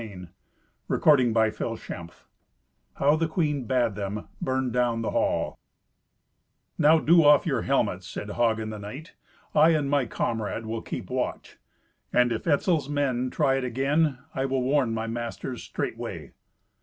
Thirty Sixth Adventure How the Queen Bad Them Burn Down the Hall "Now do off your helmets," said Hagen the knight. "I and my comrade will keep watch. And if Etzel's men try it again, I will warn my masters straightway."